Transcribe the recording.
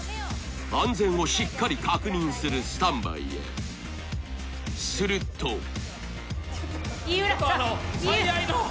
安全をしっかり確認するスタンバイへすると井浦さん